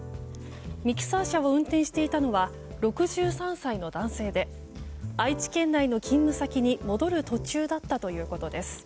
ミキサー車を運転していたのは６３歳の男性で愛知県内の勤務先に戻る途中だったということです。